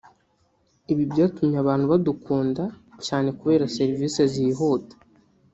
Ibi byatumye abantu badukunda cyane kubera serivisi zihuta